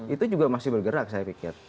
itu juga masih bergerak saya pikir